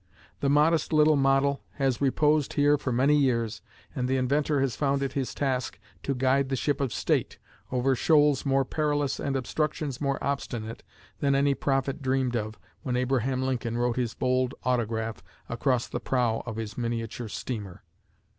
The modest little model has reposed here for many years, and the inventor has found it his task to guide the ship of state over shoals more perilous and obstructions more obstinate than any prophet dreamed of when Abraham Lincoln wrote his bold autograph across the prow of his miniature steamer."